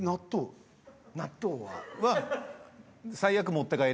納豆は？